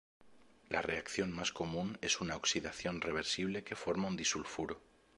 La reacción más común es una oxidación reversible que forma un disulfuro.